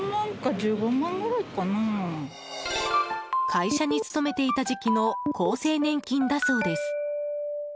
会社に勤めていた時期の厚生年金だそうです。